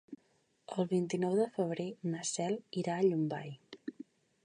El vint-i-nou de febrer na Cel irà a Llombai.